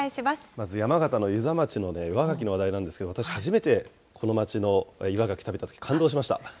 まず山形の遊佐町の岩がきの話題なんですけれども、私、初めてこの町の岩がき食べたとき、感動しました。